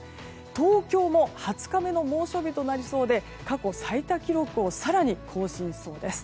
東京も２０日目の猛暑日となりそうで過去最多記録を更に更新しそうです。